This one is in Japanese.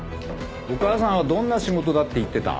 お母さんはどんな仕事だって言ってた？